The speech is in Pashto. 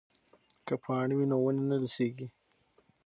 که پاڼې وي نو ونې نه لوڅیږي.